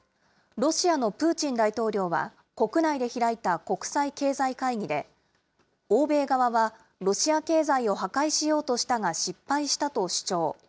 ロシアのプーチン大統領は、国内で開いた国際経済会議で、欧米側はロシア経済を破壊しようとしたが失敗したと主張。